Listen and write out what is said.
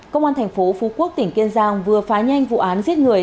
công an thành phố phú quốc tỉnh kiên giang vừa phá nhanh vụ án giết người